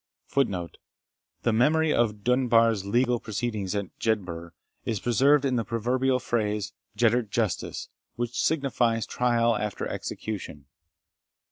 * ["The memory of Dunbar's legal (?) proceedings at Jedburgh is preserved in the proverbial phrase Jeddart Justice, which signifies trial after execution."